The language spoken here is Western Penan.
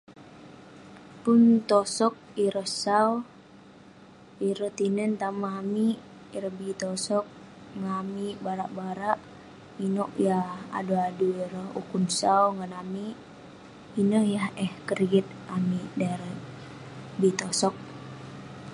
Pun tosog ireh sau, ireh tinen tamen amik ; ireh bi tosog ngan amik, barak-barak inouk yah adui-adui ireh ukun sau ngan amik. Ineh yah eh keriyet amik dan ireh bi tosog.